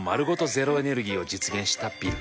ゼロエネルギーを実現したビル。